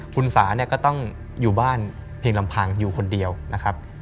คุณสาเนี่ยก็ต้องอยู่บ้านเพียงลำพังอยู่คนเดียวนะครับ